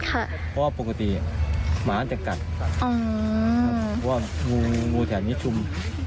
เพราะว่าปกติหมาจะกัดเพราะว่างูแถวนี้ชุม